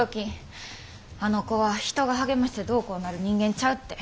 あの子は人が励ましてどうこうなる人間ちゃうって。